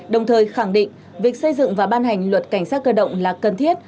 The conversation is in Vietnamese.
đồng thời khẳng định việc xây dựng và ban hành luật cảnh sát cơ động là cần thiết